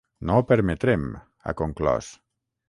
No ho permetrem, ha conclòs.